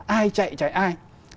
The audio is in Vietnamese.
ai chạy chạy ai